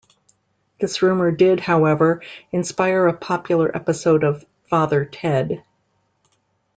This rumour did, however inspire a popular episode of "Father Ted".